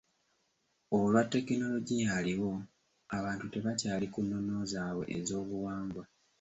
Olwa tekinoligiya aliwo, abantu tebakyali ku nnono zaabwe ez'obuwangwa.